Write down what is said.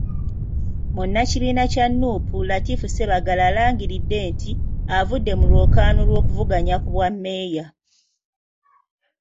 Munnakibiina kya Nuupu, Latif Ssebaggala alangiridde nti, avudde mu lwokaano lw'okuvuganya ku bwa Loodimmeeya.